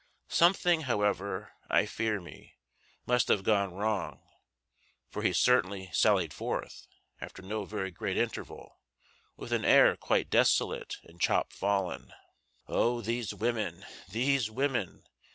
Something, however, I fear me, must have gone wrong, for he certainly sallied forth, after no very great interval, with an air quite desolate and chop fallen. Oh these women! these women!